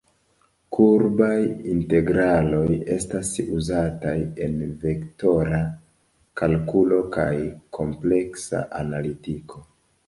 Kurbaj integraloj estas uzataj en vektora kalkulo kaj kompleksa analitiko.